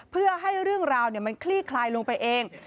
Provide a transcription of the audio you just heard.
เพื่อให้เรื่องราวมันคลี่คลายลงไปเอง